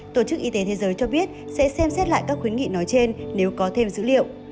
tổ chức y tế thế giới cho biết sẽ xem xét lại các khuyến nghị nói trên nếu có thêm dữ liệu